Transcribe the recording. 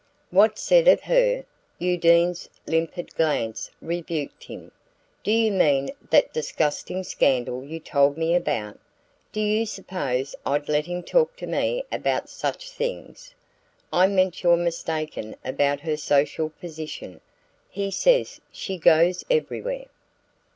"What's said of her?" Undine's limpid glance rebuked him. "Do you mean that disgusting scandal you told me about? Do you suppose I'd let him talk to me about such things? I meant you're mistaken about her social position. He says she goes everywhere."